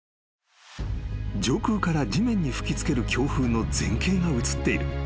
［上空から地面に吹き付ける強風の全景が写っている］